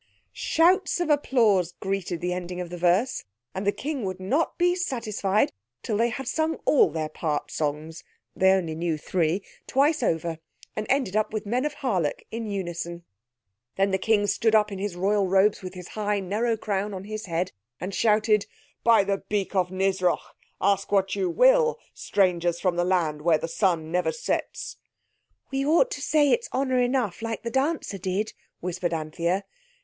Shouts of applause greeted the ending of the verse, and the King would not be satisfied till they had sung all their part songs (they only knew three) twice over, and ended up with "Men of Harlech" in unison. Then the King stood up in his royal robes with his high, narrow crown on his head and shouted— "By the beak of Nisroch, ask what you will, strangers from the land where the sun never sets!" "We ought to say it's enough honour, like the dancer did," whispered Anthea.